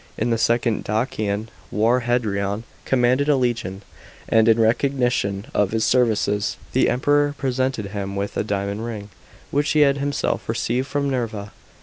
In the second Dacian war Hadrian commanded a legion, and in recognition of his services the Emperor presented him with a diamond ring which he had himself received from Nerva.